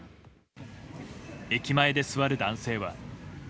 駅前で座る男性は。